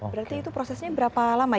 berarti itu prosesnya berapa lama ya